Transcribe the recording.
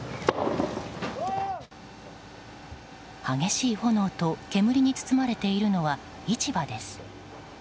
激しい炎と煙に包まれているのは市場です。